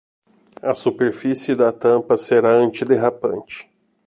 A superfície da tampa será antiderrapante.